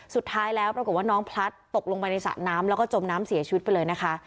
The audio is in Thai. สุดท้ายแล้วปรากฏว่าน้องพลัดตกลงไปในสระน้ำแล้วก็จมน้ำเสียชีวิตไปเลยนะคะ